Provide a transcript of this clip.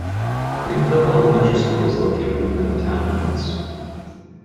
Greenville Elementary School is located within the town limits.